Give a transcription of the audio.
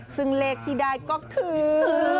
ซึ่งเลขที่ได้ก็คือ